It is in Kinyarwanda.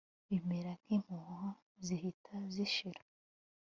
bimera nk'impuha zihita zishira